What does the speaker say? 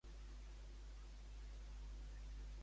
De quina llengua prové el mot Amfitrite?